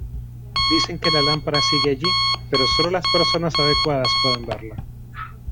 Dicen que la lámpara sigue allí, pero solo las personas adecuadas pueden verla.